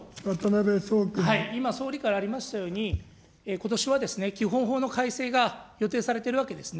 今総理からありましたように、ことしは基本法の改正が予定されているわけですね。